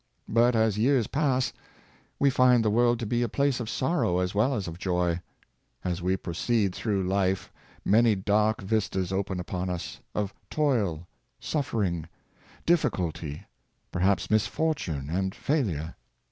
But as years pass, we find the world to be a place of sorrow as well as of joy. As we proceed through life, man}^ dark vistas open upon us — of toil, suffering, difficulty, perhaps misfortune and failure.